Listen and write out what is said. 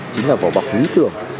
chính là vỏ bọc quý tưởng